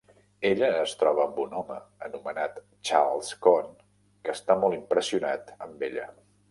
Ella es troba amb un home anomenat Charles Cohn, que està molt impressionat amb ella.